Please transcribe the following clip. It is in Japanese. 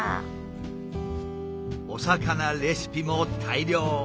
お魚レシピも大漁！